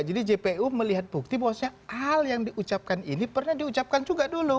jadi jpu melihat bukti bahwasannya hal yang diucapkan ini pernah diucapkan juga dulu